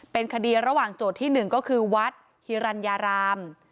เป็นคดีระหว่างโจทย์ที่๑ก็คือวัดฮิรัญญาราม